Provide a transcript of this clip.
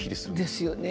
ですよね。